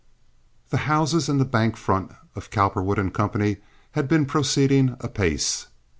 The houses and the bank front of Cowperwood & Co. had been proceeding apace.